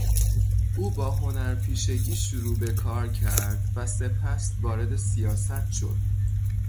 او با هنرپیشگی شروع به کار کرد و سپس وارد سیاست شد.